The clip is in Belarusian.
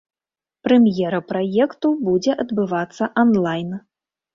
Прэм'ера праекту будзе адбывацца анлайн.